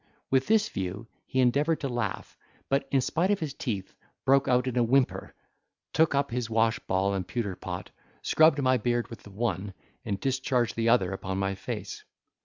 With this view he endeavoured to laugh, but in spite if his teeth, broke out in a whimper, took up his wash ball and pewter pot, scrubbed my beard with the one, and discharged the other upon my face.